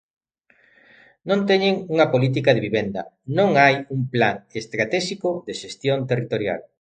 Non teñen unha política de vivenda, non hai un plan estratéxico de xestión territorial.